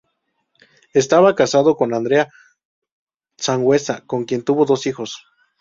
Estaba casado con Andrea Sanhueza, con quien tuvo dos hijos.